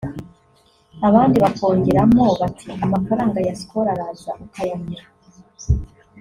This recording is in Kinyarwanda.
abandi bakongeramo bati amafaranga ya Skol araza ukayamira